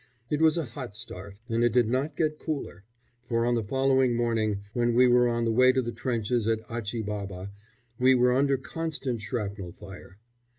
It was a hot start, and it did not get cooler, for on the following morning, when we were on the way to the trenches at Achi Baba, we were under constant shrapnel fire.